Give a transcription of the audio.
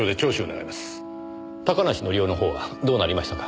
高梨宣夫の方はどうなりましたか？